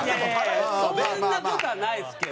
そんな事はないですけど。